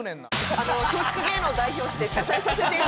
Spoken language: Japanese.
あの松竹芸能を代表して謝罪させて頂きます。